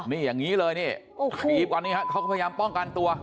นี่อย่างนี้เลยนี่ถีบก่อนนี่ฮะเขาก็พยายามป้องกันตัว